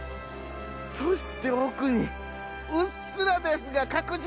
そして奥にうっすらですが。